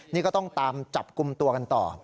นี่ก็ต้องตามจับกลุ่มตัวกันต่อ